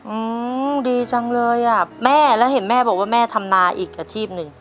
อืมดีจังเลยอ่ะแม่แล้วเห็นแม่บอกว่าแม่ทำนาอีกอาชีพหนึ่ง